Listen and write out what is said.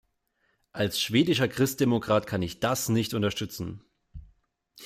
Als schwedischer Christdemokrat kann ich das nicht unterstützen.